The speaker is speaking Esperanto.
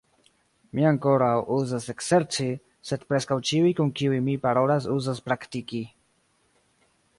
Mi ankoraŭ uzas ekzerci, sed preskaŭ ĉiuj kun kiuj mi parolas uzas praktiki.